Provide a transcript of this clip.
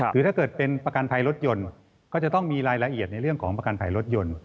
หรือถ้าเกิดเป็นประกันภัยรถยนต์ก็จะต้องมีรายละเอียดในเรื่องของประกันภัยรถยนต์